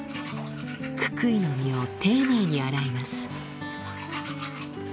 ククイの実を丁寧に洗います。